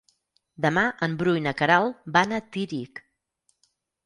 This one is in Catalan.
Demà en Bru i na Queralt van a Tírig.